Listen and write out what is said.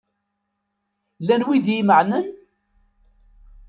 Llan wid i imenɛen?